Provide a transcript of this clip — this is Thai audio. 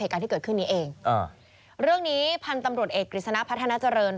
เหตุการณ์ที่เกิดขึ้นนี้เองอ่าเรื่องนี้พันธุ์ตำรวจเอกกฤษณะพัฒนาเจริญ